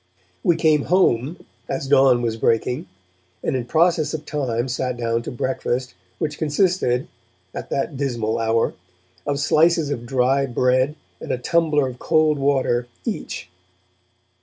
We came home, as dawn was breaking, and in process of time sat down to breakfast, which consisted at that dismal hour of slices of dry bread and a tumbler of cold water each.